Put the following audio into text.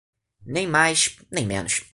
Nem mais, nem menos.